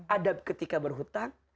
adab ketika berhutang